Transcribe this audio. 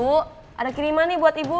bu bella bu ada kiriman nih buat ibu